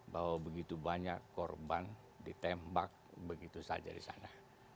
bahwa begitu banyak korban ditembak begitu saja di sana